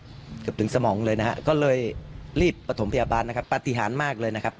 เกือบถึงสมองเลยนะฮะก็เลยรีบประถมพยาบาลนะครับปฏิหารมากเลยนะครับ